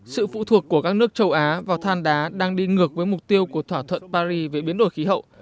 sự phụ thuộc của các nước châu á vào than đá đang đi ngược với mục tiêu của thỏa thuận paris về biến đổi khí hậu